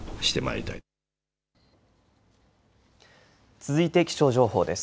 続いて気象情報です。